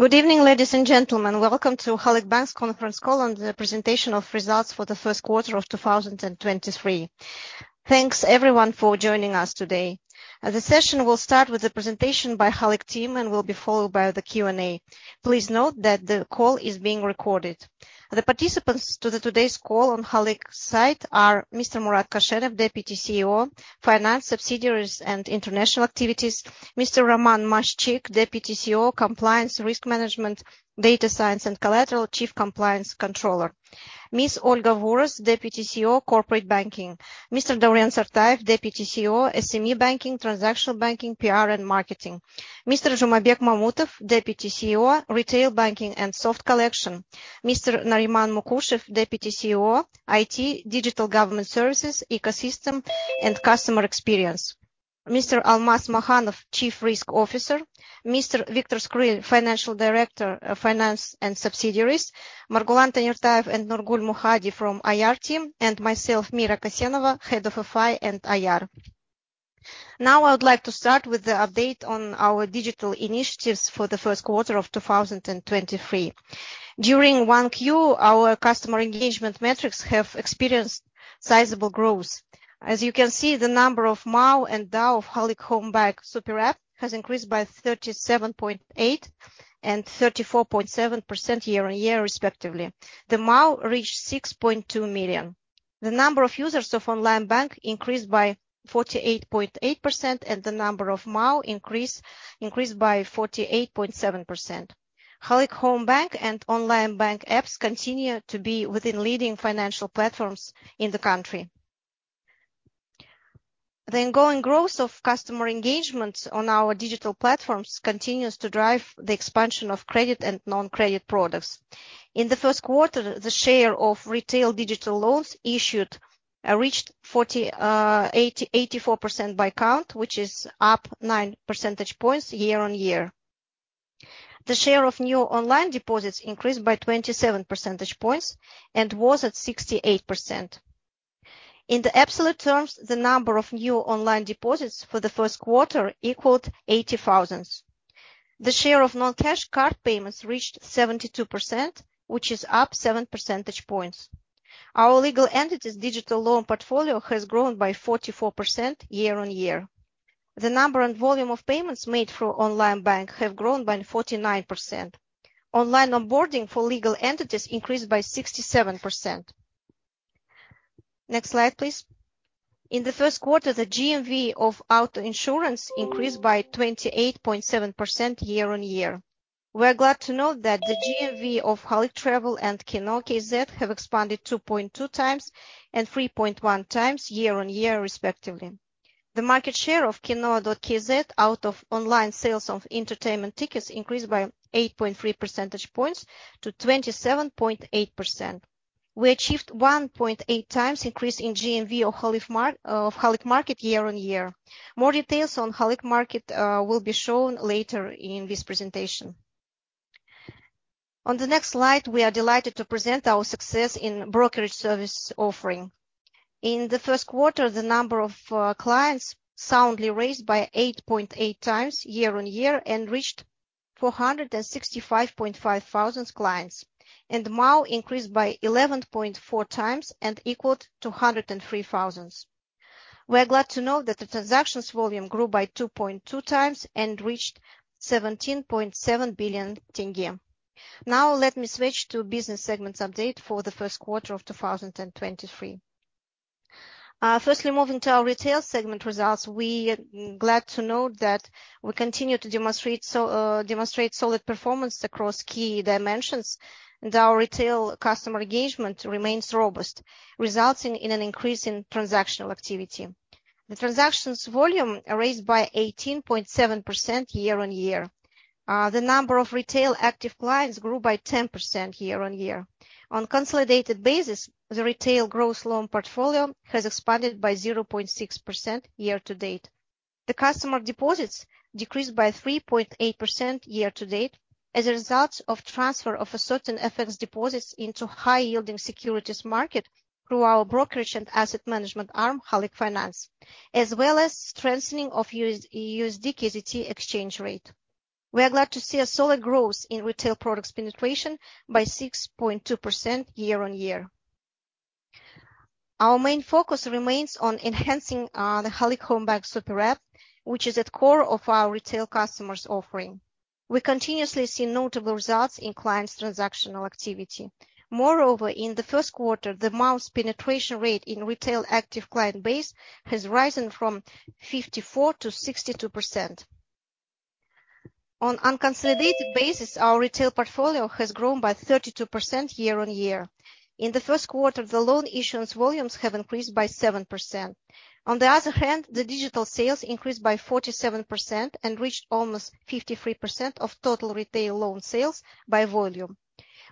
Good evening, ladies and gentlemen. Welcome to Halyk Bank's conference call on the presentation of results for the 1st quarter of 2023. Thanks everyone for joining us today. The session will start with the presentation by Halyk team and will be followed by the Q&A. Please note that the call is being recorded. The participants to the today's call on Halyk side are Mr. Murat Koshenov, Deputy CEO, Finance Subsidiaries and International Activities. Mr. Roman Maszczyk, Deputy CEO, Compliance, Risk Management, Data Science and Collateral, Chief Compliance Controller. Ms. Olga Vuros, Deputy CEO, Corporate Banking. Mr. Dauren Sartayev, Deputy CEO, SME Banking, Transaction Banking, PR and Marketing. Mr. Zhumabek Mamutov, Deputy CEO, Retail Banking and Soft Collection. Mr. Nariman Mukushev, Deputy CEO, IT, Digital Government Services, Ecosystem and Customer Experience. Mr. Almas Makhanov, Chief Risk Officer. Mr. Viktor Skryl, Financial Director of Finance and Subsidiaries. Margulan Tanirtayev and Nurgul Mukhadi from IR team, and myself, Mira Kassenova, Head of FI and IR. I would like to start with the update on our digital initiatives for the 1st quarter of 2023. During 1Q, our customer engagement metrics have experienced sizable growth. As you can see, the number of MAU and DAU of Halyk Homebank Super-App has increased by 37.8% and 34.7% year-on-year respectively. The MAU reached 6.2 million. The number of users of Onlinebank increased by 48.8%, and the number of MAU increased by 48.7%. Halyk Homebank and Onlinebank apps continue to be within leading financial platforms in the country. The ongoing growth of customer engagement on our digital platforms continues to drive the expansion of credit and non-credit products. In the 1st quarter, the share of retail digital loans issued reached 84% by count, which is up nine percentage points year-on-year. The share of new online deposits increased by 27 percentage points and was at 68%. In absolute terms, the number of new online deposits for the 1st quarter equaled 80,000. The share of non-cash card payments reached 72%, which is up seven percentage points. Our legal entities digital loan portfolio has grown by 44% year-on-year. The number and volume of payments made through Onlinebank have grown by 49%. Online onboarding for legal entities increased by 67%. Next slide, please. In the 1st quarter, the GMV of auto insurance increased by 28.7% year-on-year. We are glad to note that the GMV of Halyk Travel and Kino.kz have expanded 2.2 times and 3.1 times year-on-year respectively. The market share of Kino.kz out of online sales of entertainment tickets increased by 8.3 percentage points to 27.8%. We achieved 1.8 times increase in GMV of Halyk Market year-on-year. More details on Halyk Market will be shown later in this presentation. On the next slide, we are delighted to present our success in brokerage service offering. In the 1st quarter, the number of clients soundly raised by 8.8 times year-on-year and reached 465.5 thousand clients. MAU increased by 11.4 times and equaled to 103 thousands. We are glad to note that the transactions volume grew by 2.2 times and reached 17.7 billion KZT. Let me switch to business segments update for the 1st quarter of 2023. Firstly, moving to our retail segment results, we glad to note that we continue to demonstrate solid performance across key dimensions, and our retail customer engagement remains robust, resulting in an increase in transactional activity. The transactions volume raised by 18.7% year-on-year. The number of retail active clients grew by 10% year-on-year. On consolidated basis, the retail gross loan portfolio has expanded by 0.6% year to date. The customer deposits decreased by 3.8% year-to-date as a result of transfer of a certain FX deposits into high-yielding securities market through our brokerage and asset management arm, Halyk Finance, as well as strengthening of US, USD/KZT exchange rate. We are glad to see a solid growth in retail products penetration by 6.2% year-on-year. Our main focus remains on enhancing the Halyk Homebank Super-App, which is at core of our retail customers offering. We continuously see notable results in clients' transactional activity. Moreover, in the 1st quarter, the MAU's penetration rate in retail active client base has risen from 54 to 62%. On unconsolidated basis, our retail portfolio has grown by 32% year-on-year. In the 1st quarter, the loan issuance volumes have increased by 7%. On the other hand, the digital sales increased by 47% and reached almost 53% of total retail loan sales by volume.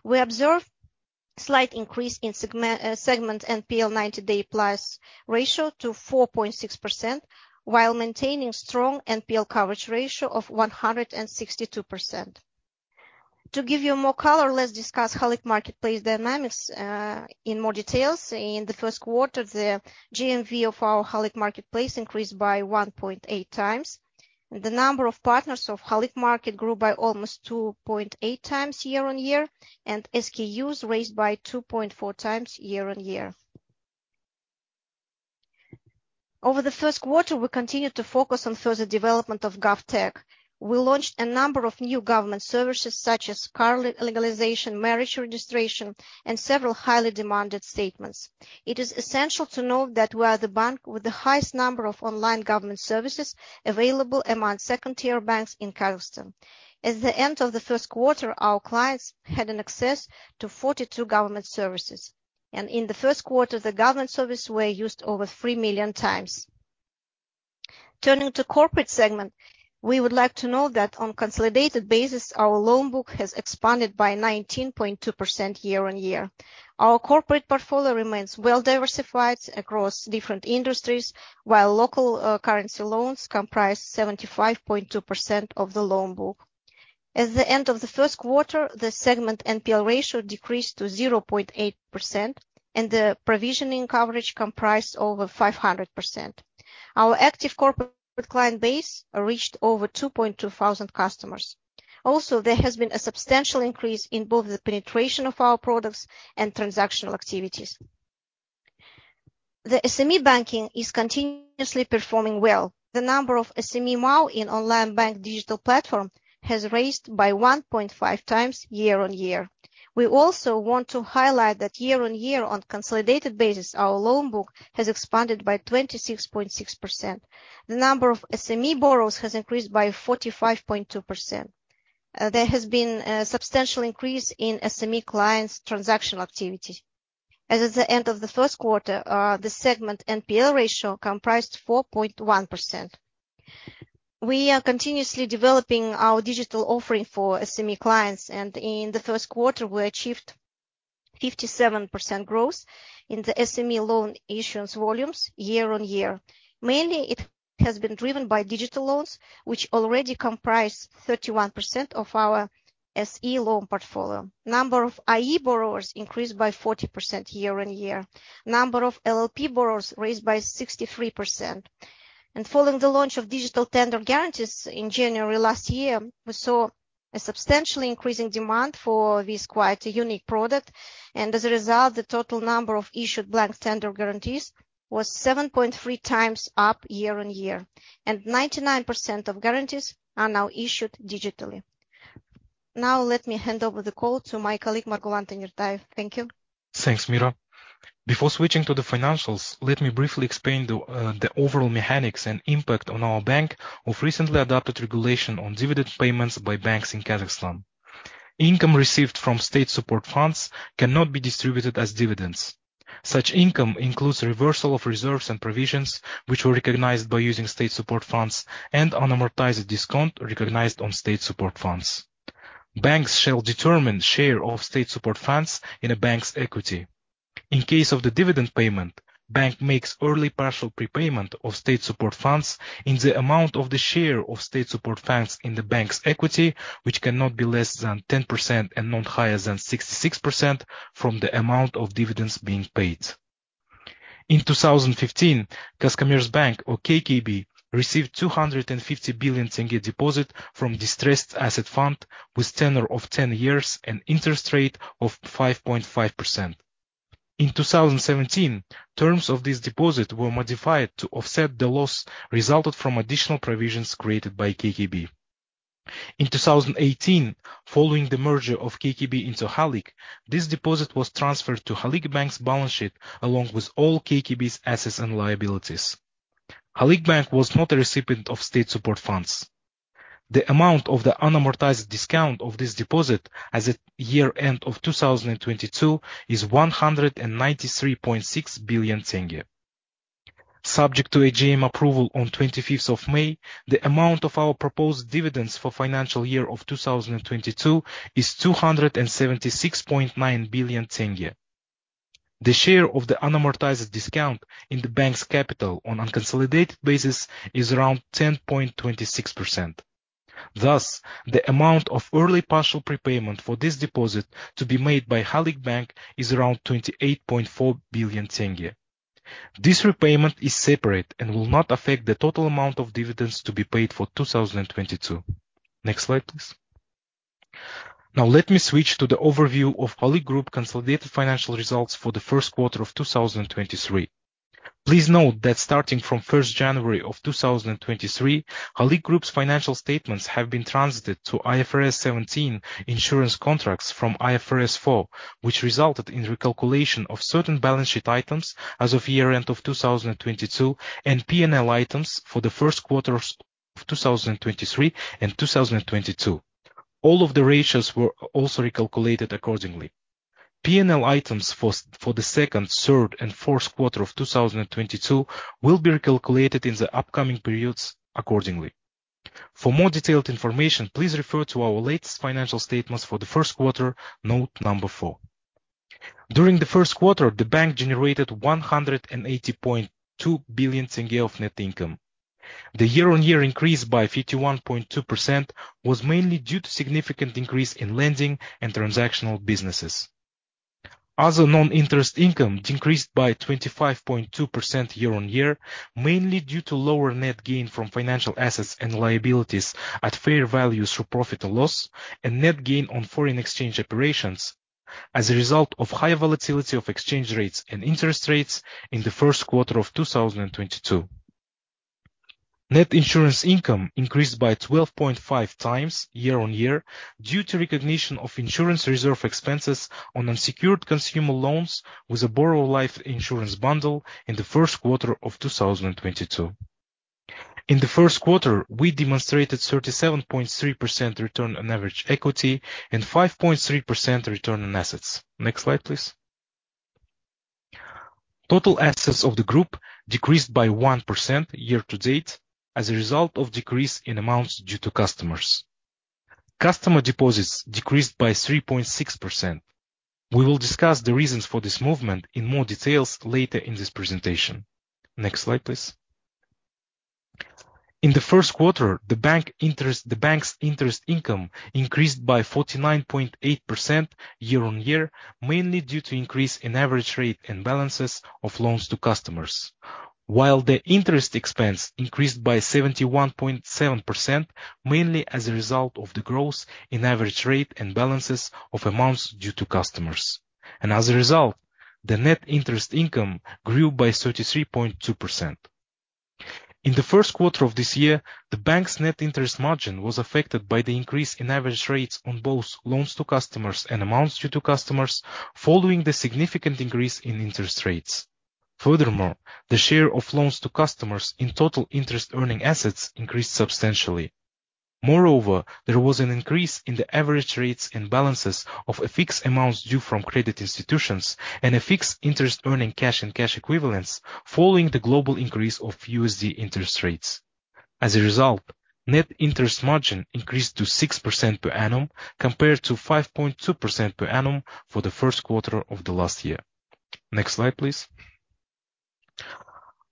We observed slight increase in segment NPL 90-day plus ratio to 4.6% while maintaining strong NPL coverage ratio of 162%. To give you more color, let's discuss Halyk Marketplace dynamics in more details. In the 1st quarter, the GMV of our Halyk Marketplace increased by 1.8 times. The number of partners of Halyk Market grew by almost 2.8 times year-on-year, and SKUs raised by 2.4 times year-on-year. Over the 1st quarter, we continued to focus on further development of GovTech. We launched a number of new government services such as car legalization, marriage registration, and several highly demanded statements. It is essential to note that we are the bank with the highest number of online government services available among second-tier banks in Kazakhstan. At the end of the 1st quarter, our clients had an access to 42 government services. In the 1st quarter, the government service were used over three million times. Turning to corporate segment, we would like to note that on consolidated basis, our loan book has expanded by 19.2% year-on-year. Our corporate portfolio remains well diversified across different industries, while local currency loans comprise 75.2% of the loan book. At the end of the 1st quarter, the segment NPL ratio decreased to 0.8%. The provisioning coverage comprised over 500%. Our active corporate client base reached over 2,200 customers. Also, there has been a substantial increase in both the penetration of our products and transactional activities. The SME banking is continuously performing well. The number of SME MAU in Onlinebank digital platform has raised by 1.5 times year-on-year. We also want to highlight that year-on-year on consolidated basis, our loan book has expanded by 26.6%. The number of SME borrowers has increased by 45.2%. There has been a substantial increase in SME clients' transactional activity. As at the end of the 1st quarter, the segment NPL ratio comprised 4.1%. We are continuously developing our digital offering for SME clients, and in the 1st quarter, we achieved 57% growth in the SME loan issuance volumes year-on-year. Mainly, it has been driven by digital loans, which already comprise 31% of our SME loan portfolio. Number of IE borrowers increased by 40% year-on-year. Number of LLP borrowers raised by 63%. Following the launch of digital tender guarantees in January last year, we saw a substantial increase in demand for this quite a unique product, and as a result, the total number of issued blank tender guarantees was 7.3 times up year-on-year, and 99% of guarantees are now issued digitally. Let me hand over the call to my colleague, Margulan Tanirtayev. Thank you. Thanks, Mira. Before switching to the financials, let me briefly explain the overall mechanics and impact on our bank of recently adopted regulation on dividend payments by banks in Kazakhstan. Income received from state support funds cannot be distributed as dividends. Such income includes reversal of reserves and provisions, which were recognized by using state support funds and unamortized discount recognized on state support funds. Banks shall determine share of state support funds in a bank's equity. In case of the dividend payment, bank makes early partial prepayment of state support funds in the amount of the share of state support funds in the bank's equity, which cannot be less than 10% and not higher than 66% from the amount of dividends being paid. In 2015, Kazkommertsbank or KKB received KZT 250 billion deposit from Problem Loans Fund with tenor of 10 years and interest rate of 5.5%. In 2017, terms of this deposit were modified to offset the loss resulted from additional provisions created by KKB. In 2018, following the merger of KKB into Halyk Bank, this deposit was transferred to Halyk Bank's balance sheet along with all KKB's assets and liabilities. Halyk Bank was not a recipient of state support funds. The amount of the unamortized discount of this deposit as at year end of 2022 is KZT 193.6 billion. Subject to AGM approval on 25th of May, the amount of our proposed dividends for financial year of 2022 is KZT 276.9 billion. The share of the unamortized discount in the bank's capital on unconsolidated basis is around 10.26%. The amount of early partial prepayment for this deposit to be made by Halyk Bank is around KZT 28.4 billion. This repayment is separate and will not affect the total amount of dividends to be paid for 2022. Next slide, please. Let me switch to the overview of Halyk Group consolidated financial results for the 1st quarter of 2023. Please note that starting from 1st January of 2023, Halyk Group's financial statements have been transited to IFRS 17 insurance contracts from IFRS 4, which resulted in recalculation of certain balance sheet items as of year end of 2022 and P&L items for the 1st quarter of 2023 and 2022. All of the ratios were also recalculated accordingly. P&L items for the 2nd, 3rd, and 4th quarter of 2022 will be recalculated in the upcoming periods accordingly. For more detailed information, please refer to our latest financial statements for the 1st quarter, note number four. During the 1st quarter, the bank generated KZT 180.2 billion of net income. The year-on-year increase by 51.2% was mainly due to significant increase in lending and transactional businesses. Other non-interest income decreased by 25.2% year-on-year, mainly due to lower net gain from financial assets and liabilities at fair value through profit and loss and net gain on foreign exchange operations as a result of high volatility of exchange rates and interest rates in the 1st quarter of 2022. Net insurance income increased by 12.5 times year-on-year due to recognition of insurance reserve expenses on unsecured consumer loans with a borrower life insurance bundle in the 1st quarter of 2022. In the 1st quarter, we demonstrated 37.3% return on average equity and 5.3% return on assets. Next slide, please. Total assets of the group decreased by 1% year-to-date as a result of decrease in amounts due to customers. Customer deposits decreased by 3.6%. We will discuss the reasons for this movement in more details later in this presentation. Next slide, please. In the 1st quarter, the bank's interest income increased by 49.8% year-on-year, mainly due to increase in average rate and balances of loans to customers. While the interest expense increased by 71.7%, mainly as a result of the growth in average rate and balances of amounts due to customers. As a result, the net interest income grew by 33.2%. In the 1st quarter of this year, the bank's net interest margin was affected by the increase in average rates on both loans to customers and amounts due to customers, following the significant increase in interest rates. Furthermore, the share of loans to customers in total interest earning assets increased substantially. Moreover, there was an increase in the average rates and balances of a fixed amount due from credit institutions and a fixed interest earning cash and cash equivalents following the global increase of USD interest rates. As a result, net interest margin increased to 6% per annum compared to 5.2% per annum for the 1st quarter of the last year. Next slide, please.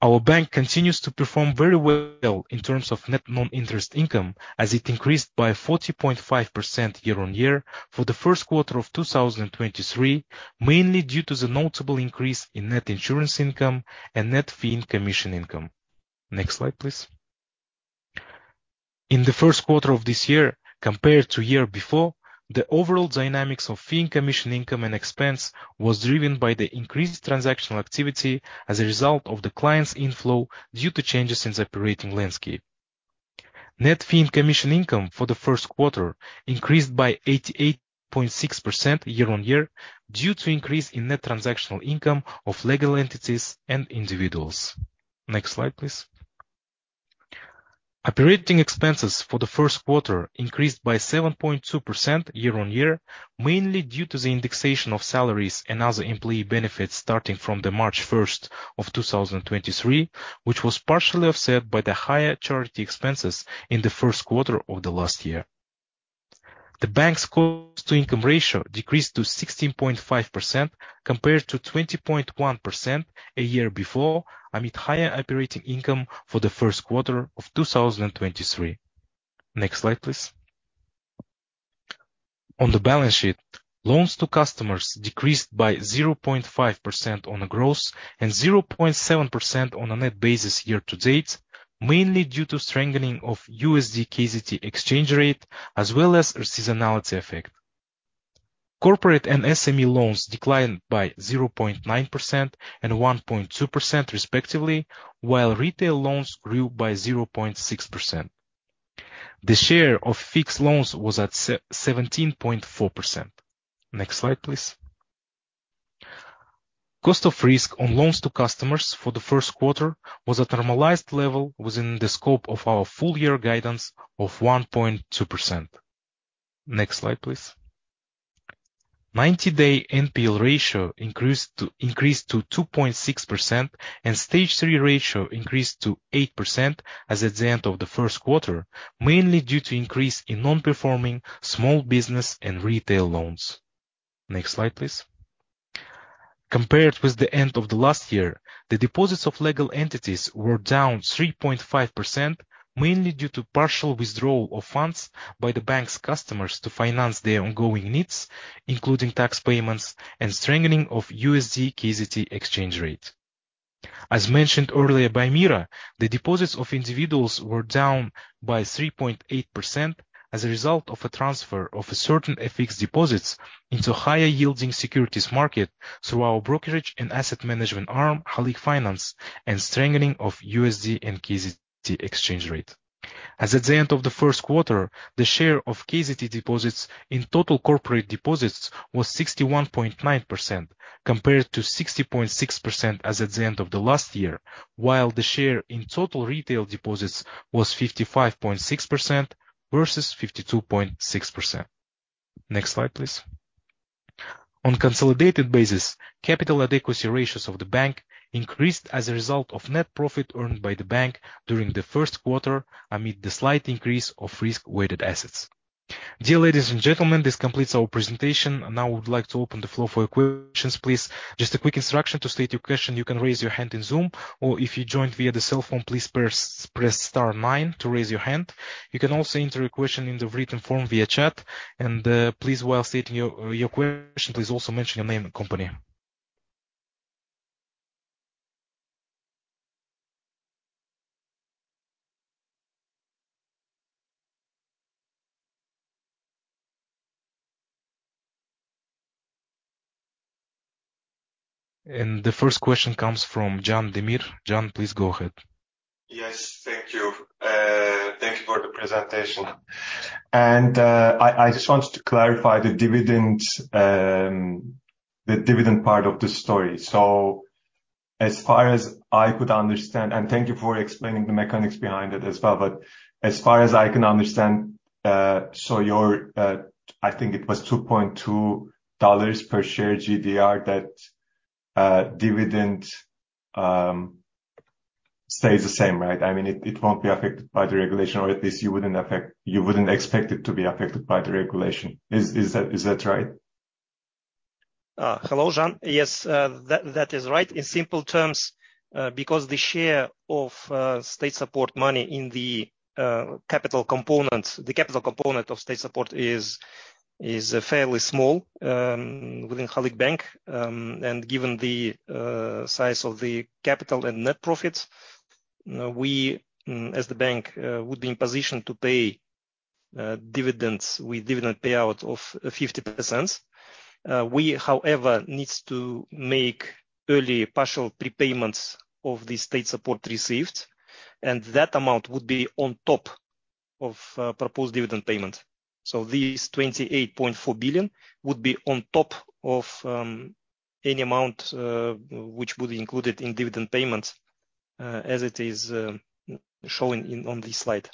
Our bank continues to perform very well in terms of net non-interest income as it increased by 40.5% year-on-year for the 1st quarter of 2023, mainly due to the notable increase in net insurance income and net fee and commission income. Next slide, please. In the 1st quarter of this year, compared to year before, the overall dynamics of fee and commission income and expense was driven by the increased transactional activity as a result of the client's inflow due to changes in the operating landscape. Net fee and commission income for the 1st quarter increased by 88.6% year-on-year due to increase in net transactional income of legal entities and individuals. Next slide, please. Operating expenses for the 1st quarter increased by 7.2% year-on-year, mainly due to the indexation of salaries and other employee benefits starting from March 1st, 2023, which was partially offset by the higher charity expenses in the 1st quarter of last year. The bank's cost to income ratio decreased to 16.5% compared to 20.1% a year before amid higher operating income for the 1st quarter of 2023. Next slide, please. On the balance sheet, loans to customers decreased by 0.5% on a gross and 0.7% on a net basis year-to-date, mainly due to strengthening of USD/KZT exchange rate as well as a seasonality effect. Corporate and SME loans declined by 0.9% and 1.2% respectively, while retail loans grew by 0.6%. The share of fixed loans was at 17.4%. Next slide, please. Cost of risk on loans to customers for the 1st quarter was a normalized level within the scope of our full year guidance of 1.2%. Next slide, please. 90-day NPL ratio increased to 2.6%, and Stage 3 ratio increased to 8% as at the end of the 1st quarter, mainly due to increase in non-performing small business and retail loans. Next slide, please. Compared with the end of the last year, the deposits of legal entities were down 3.5%, mainly due to partial withdrawal of funds by the bank's customers to finance their ongoing needs, including tax payments and strengthening of USD/KZT exchange rate. As mentioned earlier by Mira, the deposits of individuals were down by 3.8% as a result of a transfer of certain FX deposits into higher yielding securities market through our brokerage and asset management arm, Halyk Finance, and strengthening of USD and KZT exchange rate. As at the end of the 1st quarter, the share of KZT deposits in total corporate deposits was 61.9% compared to 60.6% as at the end of the last year, while the share in total retail deposits was 55.6% versus 52.6%. Next slide, please. On consolidated basis, capital adequacy ratios of the bank increased as a result of net profit earned by the bank during the 1st quarter amid the slight increase of risk-weighted assets. Dear ladies and gentlemen, this completes our presentation. Now we would like to open the floor for questions, please. Just a quick instruction. To state your question, you can raise your hand in Zoom, or if you joined via the cell phone, please press star nine to raise your hand. You can also enter a question in the written form via chat. Please, while stating your question, please also mention your name and company. The first question comes from Can Demir. Can, please go ahead. Yes. Thank you. Thank you for the presentation. I just wanted to clarify the dividend, the dividend part of the story. As far as I could understand. Thank you for explaining the mechanics behind it as well, as far as I can understand, your, I think it was $2.2 per share GDR that, dividend, stays the same, right? I mean, it won't be affected by the regulation, or at least you wouldn't expect it to be affected by the regulation. Is that right? Hello, Can. Yes. That is right. In simple terms, because the share of state support money in the capital component, the capital component of state support is fairly small within Halyk Bank. Given the size of the capital and net profits, we as the bank would be in position to pay dividends with dividend payout of 50%. We, however, needs to make early partial prepayments of the state support received, and that amount would be on top of proposed dividend payment. These KZT 28.4 billion would be on top of any amount which would be included in dividend payments as it is showing on this slide.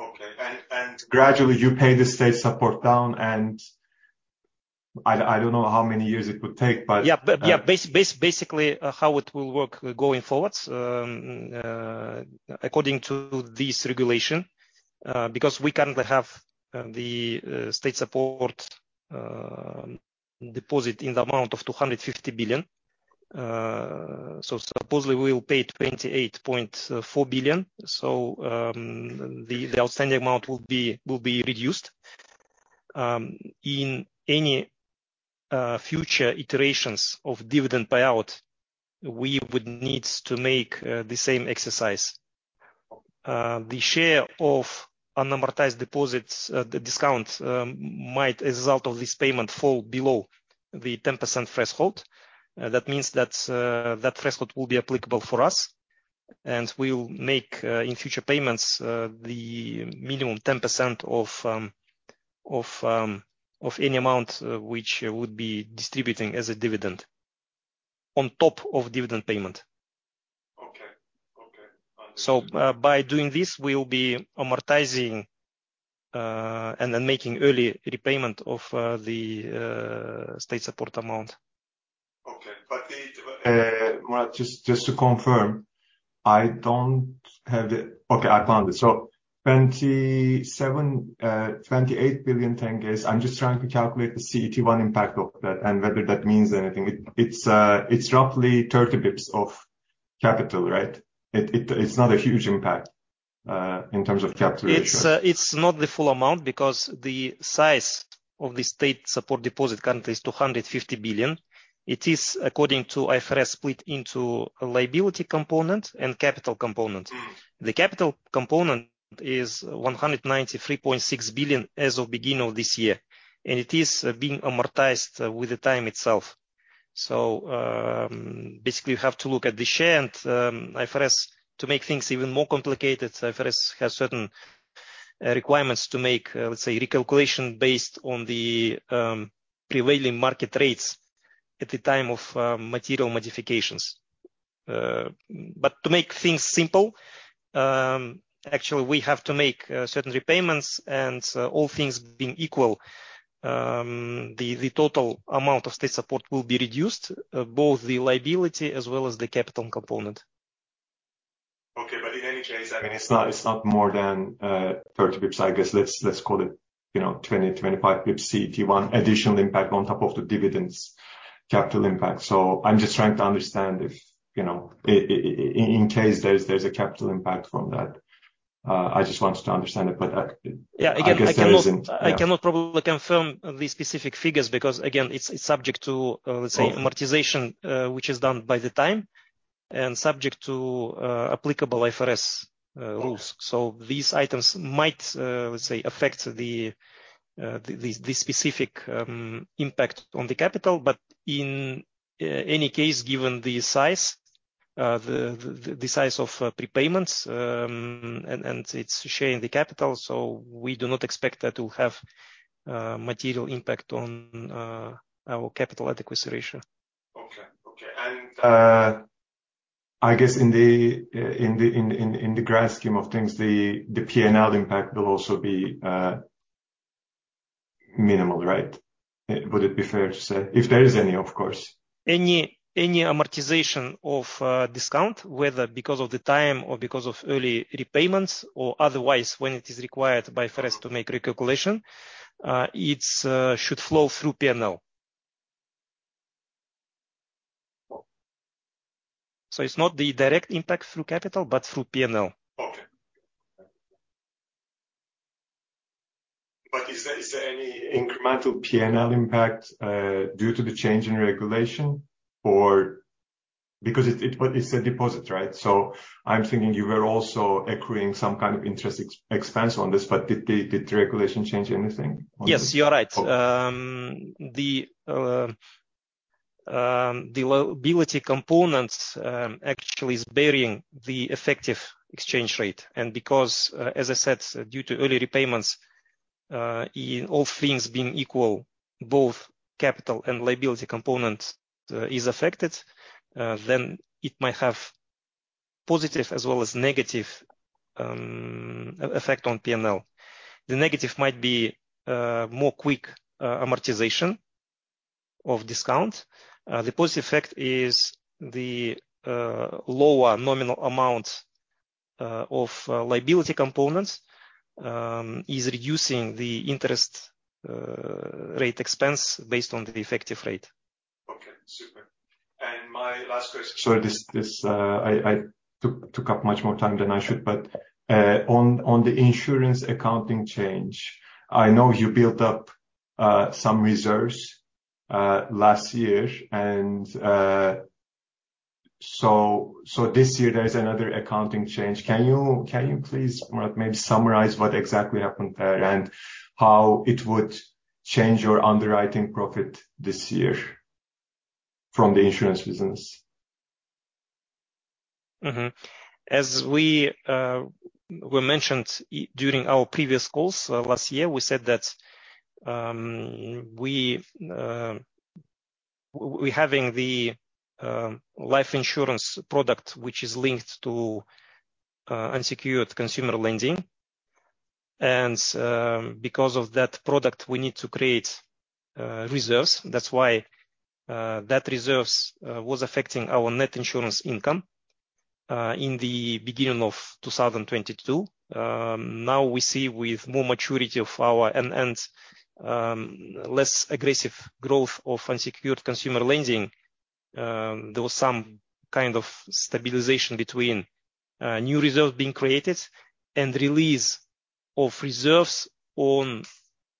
Okay. Gradually, you pay the state support down. I don't know how many years it would take. Yeah. Basically, how it will work going forward, according to this regulation, because we currently have the state support deposit in the amount of KZT 250 billion. Supposedly we'll pay KZT 28.4 billion. The outstanding amount will be reduced. In any future iterations of dividend payout, we would need to make the same exercise. The share of unamortized deposits, the discount, might, as a result of this payment, fall below the 10% threshold. That means that threshold will be applicable for us, we'll make in future payments the minimum 10% of any amount which we would be distributing as a dividend on top of dividend payment. Okay. Okay. Understood. By doing this, we will be amortizing, and then making early repayment of the state support amount. Okay. Murat, just to confirm, I don't have the. Okay, I found it. KZT 27 billion-KZT 28 billion, I'm just trying to calculate the CET1 impact of that and whether that means anything. It's roughly 30 basis points of capital, right? It's not a huge impact in terms of capital ratio. It's not the full amount because the size of the state support deposit currently is KZT 250 billion. It is, according to IFRS, split into a liability component and capital component. Mm-hmm. The capital component is KZT 193.6 billion as of beginning of this year. It is being amortized with the time itself. Basically, you have to look at the share. IFRS, to make things even more complicated, IFRS has certain requirements to make, let's say, recalculation based on the prevailing market rates at the time of material modifications. To make things simple, actually, we have to make certain repayments. All things being equal, the total amount of state support will be reduced, both the liability as well as the capital component. Okay. In any case, I mean, it's not more than 30 basis points. I guess, let's call it, you know, 20-25 basis points CET1 additional impact on top of the dividends capital impact. I'm just trying to understand if, you know, in case there's a capital impact from that, I just wanted to understand it. I guess there isn't. Yeah. Yeah. Again, I cannot probably confirm the specific figures because, again, it's subject to, let's say. Okay Amortization, which is done by the time and subject to applicable IFRS rules. Okay. These items might, let's say, affect the specific impact on the capital. In any case, given the size of prepayments, and its share in the capital, we do not expect that to have material impact on our capital adequacy ratio. Okay. Okay. I guess in the grand scheme of things, the P&L impact will also be minimal, right? Would it be fair to say? If there is any, of course. Any amortization of discount, whether because of the time or because of early repayments or otherwise when it is required by IFRS to make recalculation, it should flow through P&L. Oh. It's not the direct impact through capital, but through P&L. Okay. Incremental P&L impact due to the change in regulation or because it's a deposit, right? So I'm thinking you were also accruing some kind of interest ex-expense on this, but did the regulation change anything on this? Yes, you are right. The liability components actually is bearing the effective exchange rate. Because, as I said, due to early repayments, all things being equal, both capital and liability component is affected, then it might have positive as well as negative effect on PNL. The negative might be more quick amortization of discount. The positive effect is the lower nominal amount of liability components is reducing the interest rate expense based on the effective rate. Okay, super. My last question. Sorry, this, I took up much more time than I should. On the insurance accounting change, I know you built up some reserves last year and, this year there's another accounting change. Can you please maybe summarize what exactly happened there and how it would change your underwriting profit this year from the insurance business? As we mentioned during our previous calls, last year, we said that we're having the life insurance product, which is linked to unsecured consumer lending. Because of that product, we need to create reserves. That's why that reserves was affecting our net insurance income in the beginning of 2022. Now we see with more maturity of our and less aggressive growth of unsecured consumer lending, there was some kind of stabilization between new reserves being created and release of reserves on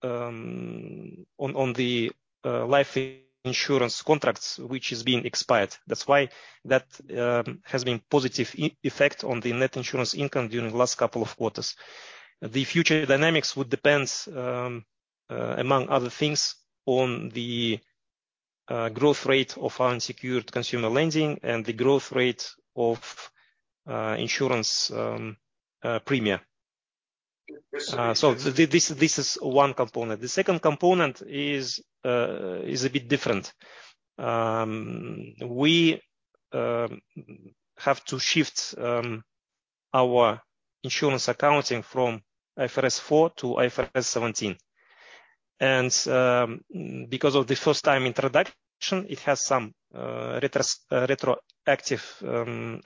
the life insurance contracts which is being expired. That's why that has been positive effect on the net insurance income during the last couple of quarters. The future dynamics would depend, among other things, on the growth rate of our unsecured consumer lending and the growth rate of insurance premium. This- This is one component. The second component is a bit different. We have to shift our insurance accounting from IFRS 4-IFRS 17. Because of the first time introduction, it has some retroactive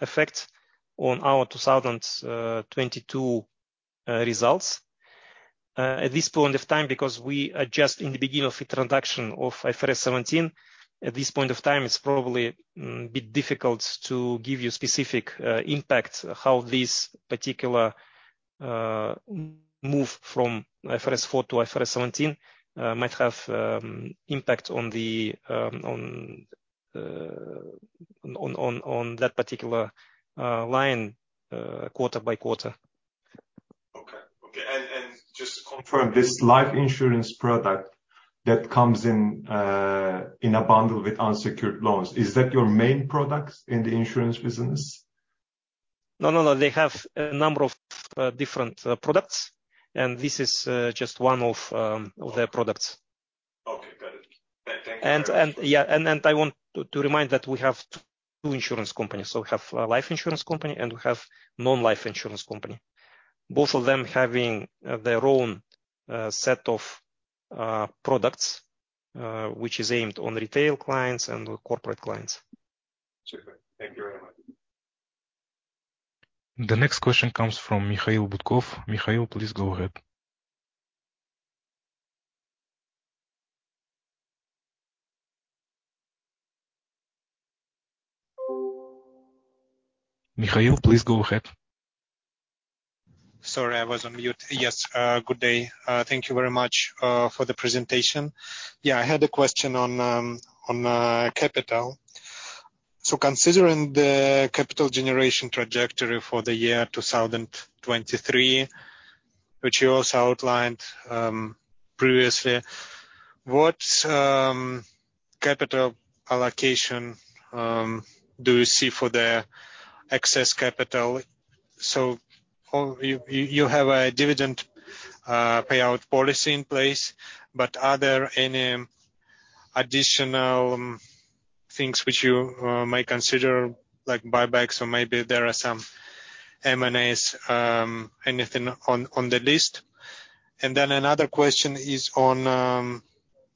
effect on our 2022 results. At this point of time, because we are just in the beginning of introduction of IFRS 17, at this point of time, it's probably a bit difficult to give you specific impact, how this particular move from IFRS 4 to IFRS 17 might have impact on that particular line quarter by quarter. Okay. Just to confirm, this life insurance product that comes in a bundle with unsecured loans, is that your main product in the insurance business? No, no. They have a number of different products, and this is just one of their products. Okay, got it. Thank you very much. I want to remind that we have two insurance companies. We have a life insurance company, and we have non-life insurance company. Both of them having their own set of products, which is aimed on retail clients and corporate clients. Super. Thank you very much. The next question comes from Mikhail Butkov. Mikhail, please go ahead. Sorry, I was on mute. Yes. Good day. Thank you very much for the presentation. Yeah, I had a question on capital. Considering the capital generation trajectory for the year 2023, which you also outlined previously, what capital allocation do you see for the excess capital? All you have a dividend payout policy in place, but are there any additional things which you may consider like buybacks or maybe there are some M&As, anything on the list? Another question is on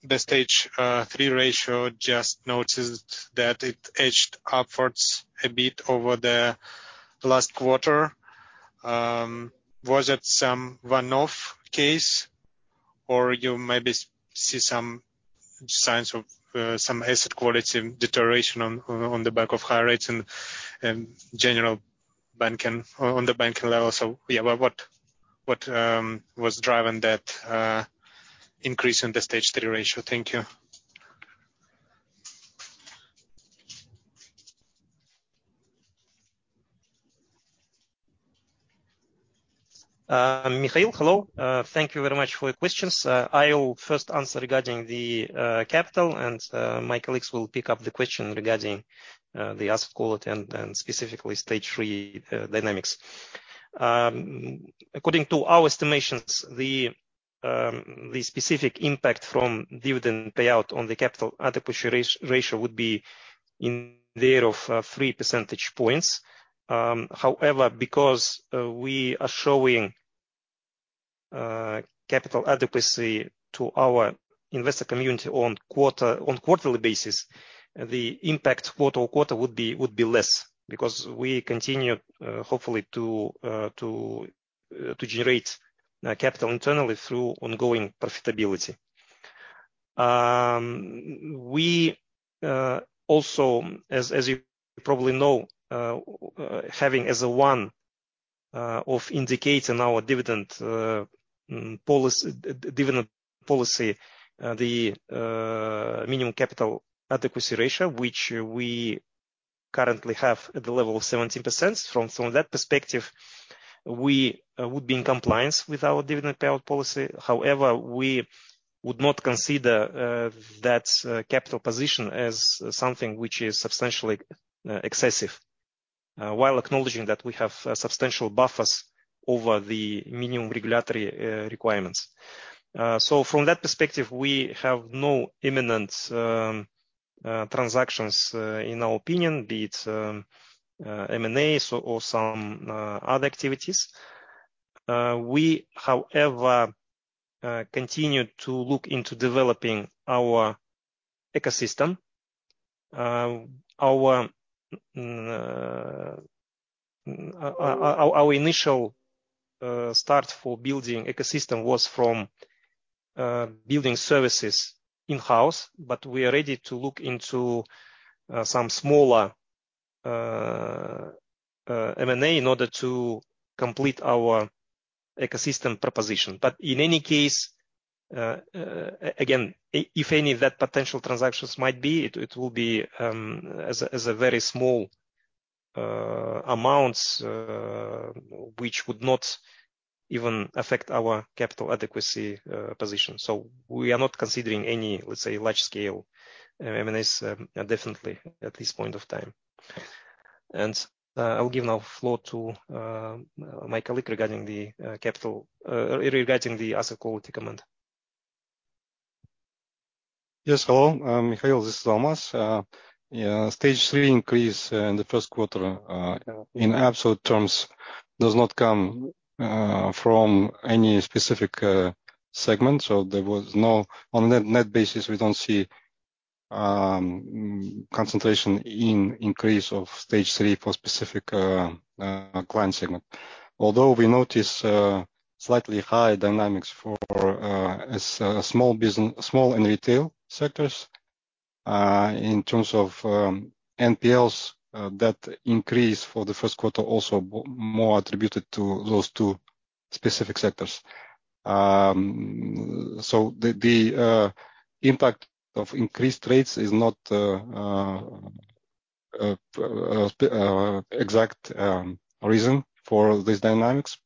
the Stage 3 ratio. Just noticed that it edged upwards a bit over the last quarter. Was it some one-off case or you maybe see some signs of some asset quality deterioration on the back of high rates and general banking on the banking level? What was driving that increase in the Stage 3 ratio? Thank you. Mikhail, hello. Thank you very much for your questions. I will first answer regarding the capital, and my colleagues will pick up the question regarding the asset quality and specifically Stage 3 dynamics. According to our estimations, the specific impact from dividend payout on the capital adequacy ratio would be in there of three percentage points. However, because we are showing capital adequacy to our investor community on quarterly basis, the impact quarter-on-quarter would be less because we continue hopefully to generate capital internally through ongoing profitability. Probably know, having as a one of indicator in our dividend policy, the minimum capital adequacy ratio, which we currently have at the level of 70%. From that perspective, we would be in compliance with our dividend payout policy. However, we would not consider that capital position as something which is substantially excessive, while acknowledging that we have substantial buffers over the minimum regulatory requirements. So from that perspective, we have no imminent transactions, in our opinion, be it M&A or some other activities. We, however, continue to look into developing our ecosystem Our initial start for building ecosystem was from building services in-house, but we are ready to look into some smaller M&A in order to complete our ecosystem proposition. In any case, again, if any of that potential transactions might be, it will be as a very small amounts which would not even affect our capital adequacy position. We are not considering any, let's say, large scale M&As definitely at this point of time. I'll give now floor to my colleague regarding the capital regarding the asset quality comment. Yes, hello. Mikhail, this is Almas. Yeah, Stage 3 increase in the 1st quarter, in absolute terms, does not come from any specific segment. On a net basis, we don't see concentration in increase of Stage 3 for specific client segment. Although we notice slightly high dynamics for small and retail sectors, in terms of NPLs, that increase for the 1st quarter also more attributed to those two specific sectors. So the impact of increased rates is not exact reason for these dynamics.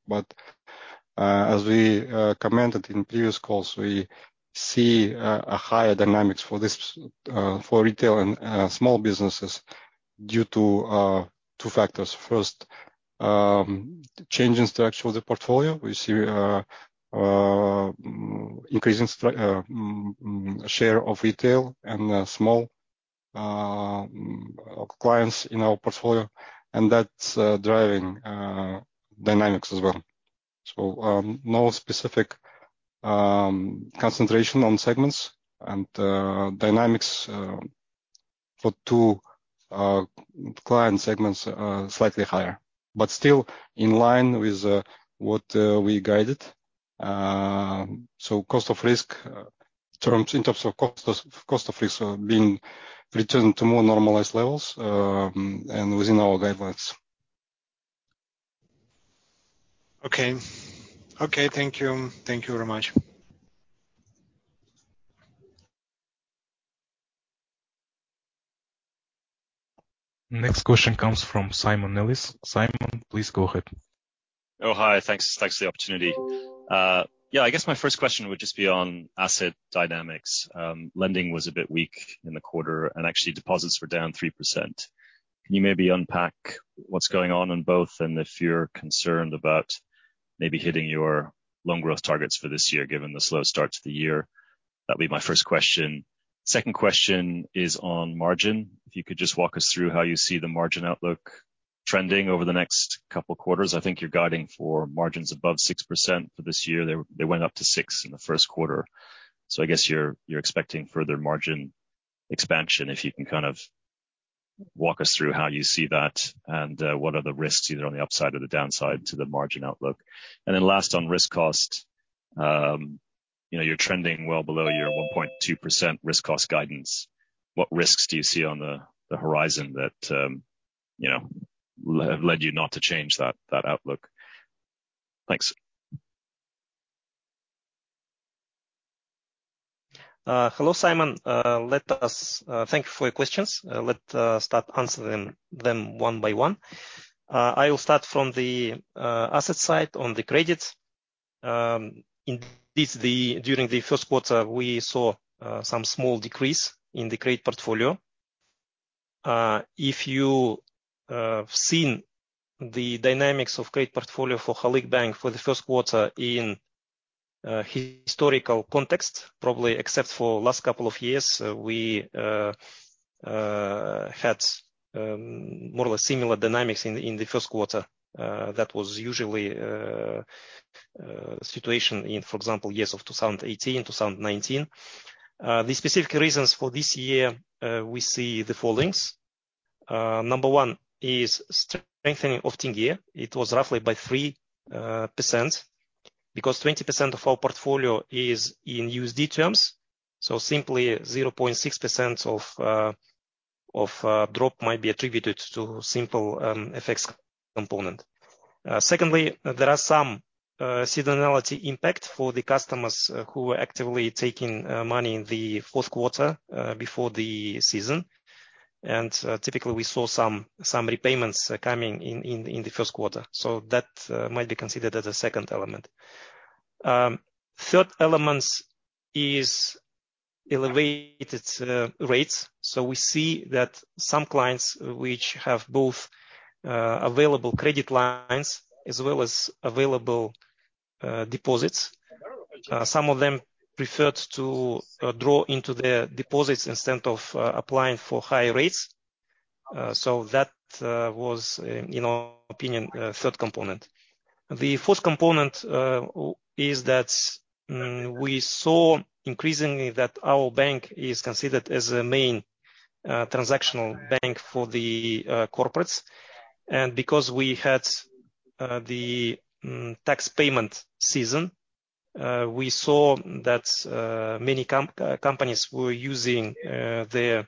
As we commented in previous calls, we see a higher dynamics for this, for retail and small businesses due to two factors. First, changes to actual the portfolio. We see increasing share of retail and small clients in our portfolio, and that's driving dynamics as well. No specific concentration on segments and dynamics for two client segments are slightly higher, but still in line with what we guided. Cost of risk in terms of cost of risk being returned to more normalized levels and within our guidelines. Okay. Okay, thank you. Thank you very much. Next question comes from Simon Nellis. Simon, please go ahead. Hi. Thanks. Thanks for the opportunity. Yeah, I guess my first question would just be on asset dynamics. Lending was a bit weak in the quarter, and actually deposits were down 3%. Can you maybe unpack what's going on in both, and if you're concerned about maybe hitting your loan growth targets for this year, given the slow start to the year? That'd be my first question. Second question is on margin. If you could just walk us through how you see the margin outlook trending over the next couple quarters. I think you're guiding for margins above 6% for this year. They went up to 6% in the 1st quarter. I guess you're expecting further margin expansion, if you can Walk us through how you see that and what are the risks either on the upside or the downside to the margin outlook. Then last, on risk cost, you're trending well below your 1.2% risk cost guidance. What risks do you see on the horizon that, you know, led you not to change that outlook? Thanks. Hello, Simon. Thank you for your questions. Let start answering them one by one. I will start from the asset side on the credits. Indeed, during the 1st quarter, we saw some small decrease in the credit portfolio. If you seen the dynamics of credit portfolio for Halyk Bank for the 1st quarter in historical context, probably except for last couple of years, we had more or less similar dynamics in the 1st quarter. That was usually situation in, for example, years of 2018, 2019. The specific reasons for this year, we see the followings. Number one is strengthening of ten-year. It was roughly by 3%, because 20% of our portfolio is in USD terms. Simply 0.6% of drop might be attributed to simple FX component. Secondly, there are some seasonality impact for the customers who are actively taking money in the 4th quarter before the season. Typically, we saw some repayments coming in the 1st quarter. That might be considered as a second element. Third element is elevated rates. We see that some clients which have both available credit lines as well as available deposits, some of them preferred to draw into their deposits instead of applying for higher rates. That was, in our opinion, third component. The fourth component is that we saw increasingly that our bank is considered as a main transactional bank for the corporates. Because we had the tax payment season, we saw that many companies were using their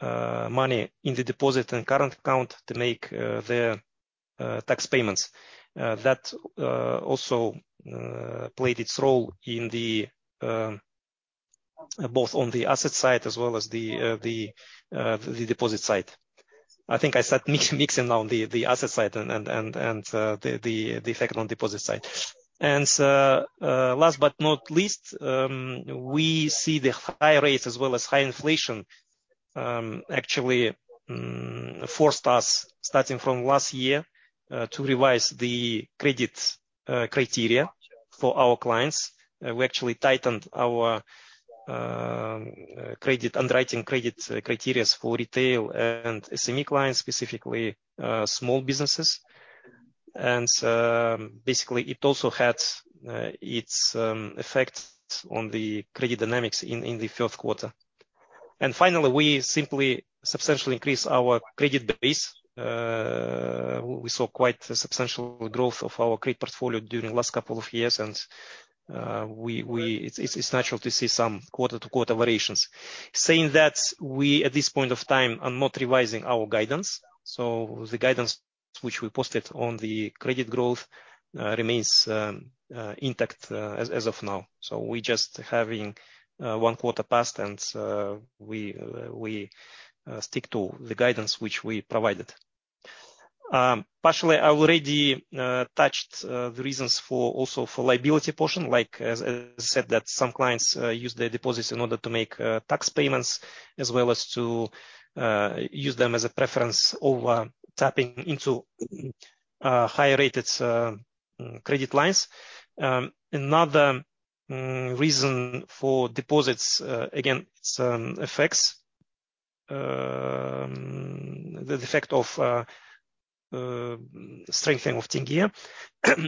money in the deposit and current account to make their tax payments. That also played its role in both on the asset side as well as the deposit side. I think I start mixing on the asset side and the effect on deposit side. Last but not least, we see the high rates as well as high inflation actually forced us, starting from last year, to revise the credit criteria for our clients. We actually tightened our underwriting credit criteria for retail and SME clients, specifically small businesses. Basically, it also had its effect on the credit dynamics in the 4th quarter. Finally, we simply substantially increased our credit base. We saw quite a substantial growth of our credit portfolio during last couple of years. It's natural to see some quarter-to-quarter variations. Saying that, we, at this point of time, are not revising our guidance. The guidance which we posted on the credit growth remains intact as of now. We just having one quarter passed, and we stick to the guidance which we provided. Partially, I already touched the reasons for also for liability portion, like as I said, that some clients use their deposits in order to make tax payments as well as to use them as a preference over tapping into higher-rated credit lines. Another reason for deposits, again, it's effects. The effect of strengthening of ten-year.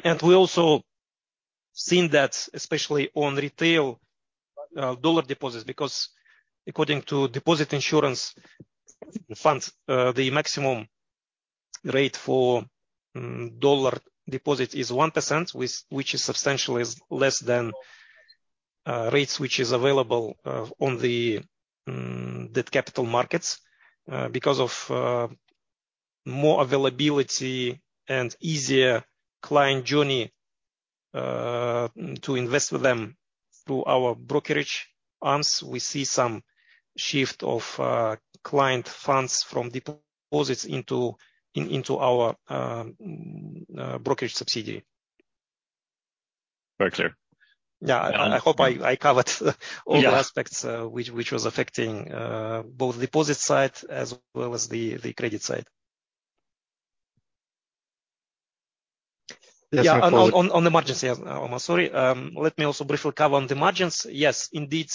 And we also seen that especially on retail dollar deposits, because according to Kazakhstan Deposit Insurance Fund, the maximum rate for dollar deposit is 1%, which is substantially less than rates which is available on the capital markets Because of more availability and easier client journey, to invest with them through our brokerage arms, we see some shift of client funds from deposits into our brokerage subsidiary. Very clear. Yeah. I hope I covered all the aspects which was affecting both deposit side as well as the credit side. Yes. Yeah. On the margins, yeah. I'm sorry. Let me also briefly cover on the margins. Yes, indeed,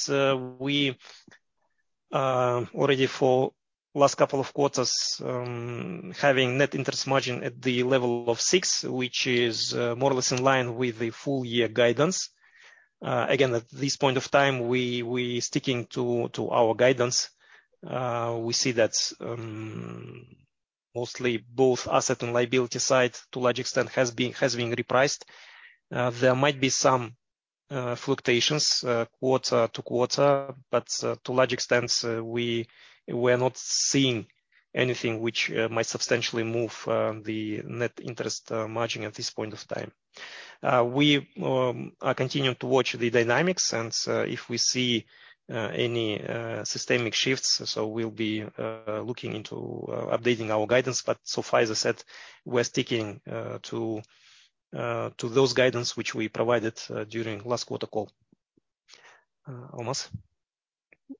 we already for last couple of quarters, having net interest margin at the level of 6%, which is more or less in line with the full year guidance. Again, at this point of time, we sticking to our guidance. We see that, mostly both asset and liability side to a large extent has been repriced. There might be some fluctuations quarter to quarter, but to a large extent, we are not seeing anything which might substantially move the net interest margin at this point of time. We are continuing to watch the dynamics and if we see any systemic shifts, so we'll be looking into updating our guidance. So far, as I said, we're sticking to those guidance which we provided during last quarter call.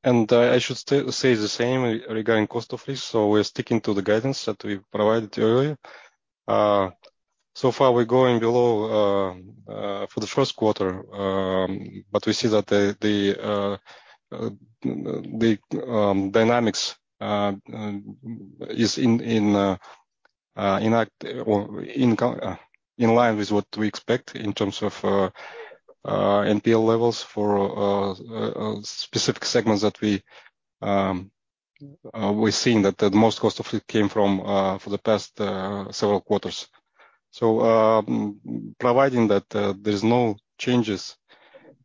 Almas. I should say the same regarding cost of risk. We're sticking to the guidance that we provided earlier. So far, we're going below for the 1st quarter, but we see that the dynamics is in line with what we expect in terms of NPL levels for specific segments that we're seeing that the most cost of it came from for the past several quarters. Providing that there's no changes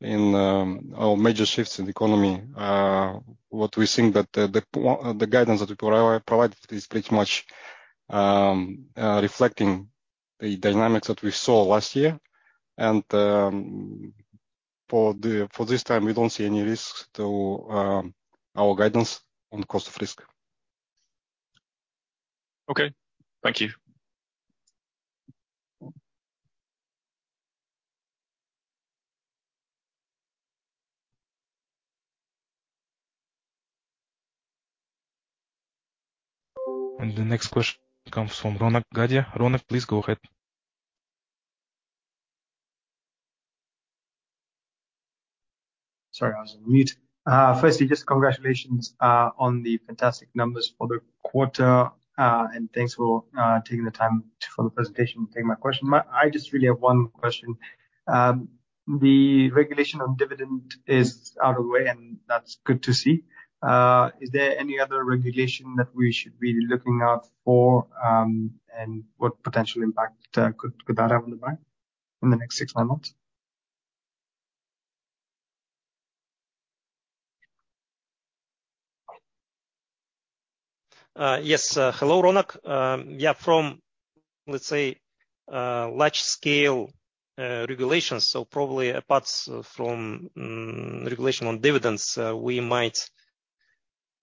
in or major shifts in the economy, what we think that the guidance that we provided is pretty much reflecting the dynamics that we saw last year. For the, for this time, we don't see any risks to, our guidance on cost of risk. Okay. Thank you. The next question comes from Ronak Gadhia. Ronak, please go ahead. Sorry, I was on mute. Firstly, just congratulations on the fantastic numbers for the quarter, and thanks for taking the time for the presentation and taking my question. I just really have one question. The regulation on dividend is out of the way, and that's good to see. Is there any other regulation that we should be looking out for, and what potential impact could that have on the bank in the next six, nine months? Yes. Hello, Ronak. Yeah, from, let's say, large scale, regulations, so probably apart from, regulation on dividends, we might,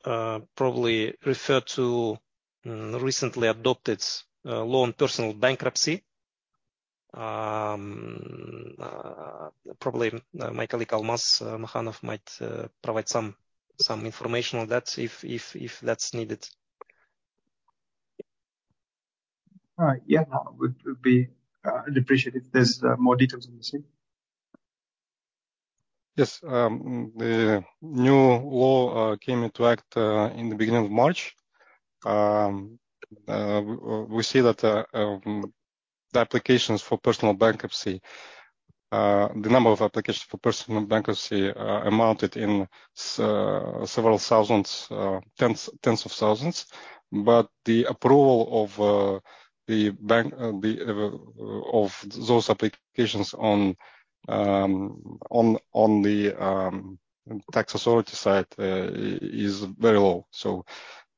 probably refer to, recently adopted, law on personal bankruptcy. Probably my colleague, Almas Makhanov, might, provide some information on that if that's needed. All right. That would be appreciated if there's more details on the same. Yes. The new law came into act in the beginning of March. We see that the applications for personal bankruptcy, the number of applications for personal bankruptcy, amounted in several thousands, tens of thousands. The approval of the bank, the, of those applications on the tax authority side is very low.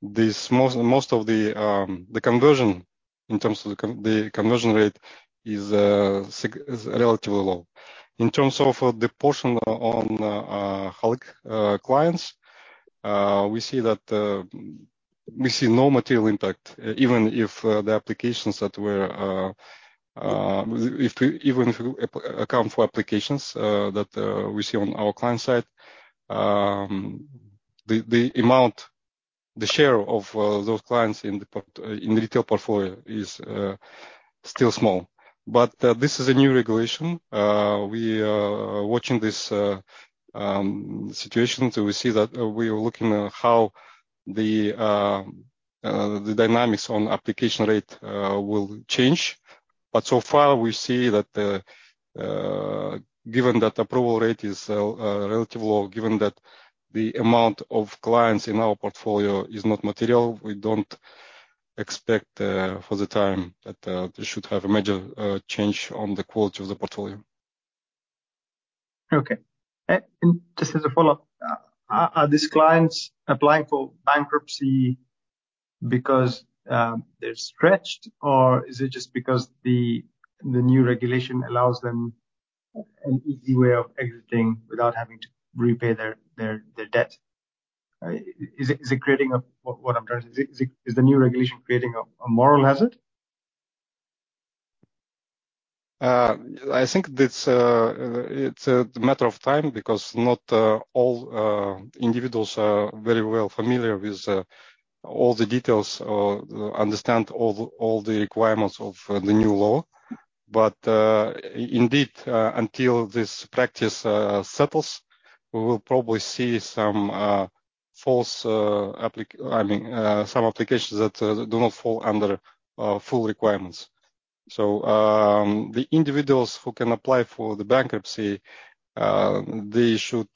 This most of the conversion in terms of the conversion rate is relatively low. In terms of the portion on Halyk clients, we see that we see no material impact, even if the applications that were even if we account for applications that we see on our client side, the amount, the share of those clients in the retail portfolio is still small. This is a new regulation. We are watching this situation, so we see that we are looking at how the dynamics on application rate will change. So far, we see that, given that approval rate is relatively low, given that the amount of clients in our portfolio is not material, we don't expect for the time that this should have a major change on the quality of the portfolio. Okay. Just as a follow-up, are these clients applying for bankruptcy because they're stretched, or is it just because the new regulation allows them an easy way of exiting without having to repay their debt? What I'm trying to say, is the new regulation creating a moral hazard? I think that's it's a matter of time because not all individuals are very well familiar with all the details or understand all the requirements of the new law. Indeed, until this practice settles, we will probably see some false, I mean, some applications that do not fall under full requirements. The individuals who can apply for the bankruptcy, they should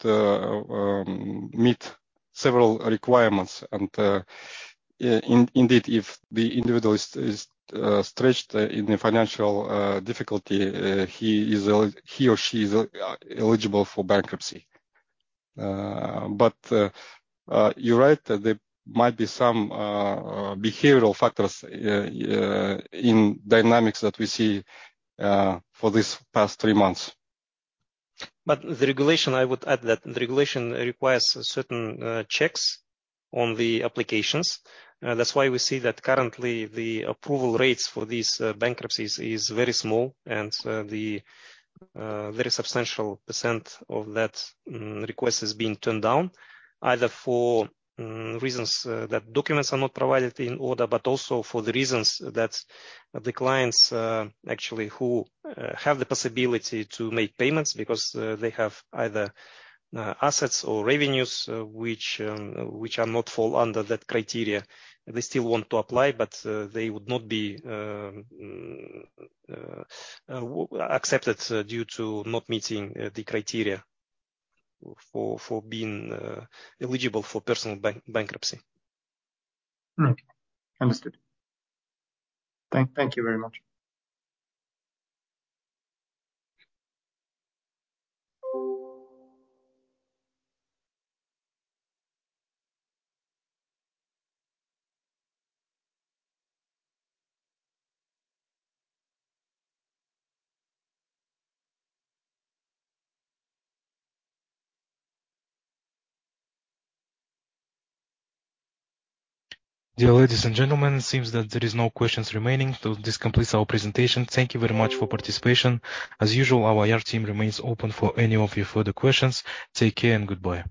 meet several requirements. Indeed, if the individual is stretched in the financial difficulty, he or she is eligible for bankruptcy. You're right, there might be some behavioral factors in dynamics that we see for these past three months. I would add that the regulation requires certain checks on the applications. That's why we see that currently the approval rates for these bankruptcies is very small and the very substantial % of that request is being turned down, either for reasons that documents are not provided in order, but also for the reasons that the clients actually who have the possibility to make payments because they have either assets or revenues which are not fall under that criteria. They still want to apply, but they would not be accepted due to not meeting the criteria for being eligible for personal bankruptcy. Understood. Thank you very much. Dear ladies and gentlemen, it seems that there is no questions remaining. This completes our presentation. Thank you very much for participation. As usual, our IR team remains open for any of your further questions. Take care and goodbye.